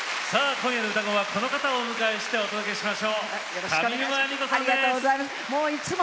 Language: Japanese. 今夜の「うたコン」はこの方をお迎えしてお届けします。